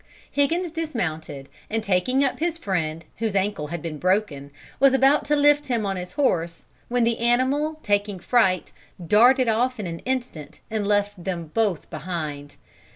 "Higgins dismounted, and taking up his friend, whose ankle had been broken, was about to lift him on his horse, when the animal, taking fright, darted off in an instant and left them both behind.